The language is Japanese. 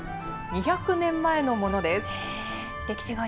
２００年前のものです。